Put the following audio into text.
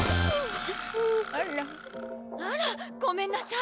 あらごめんなさい。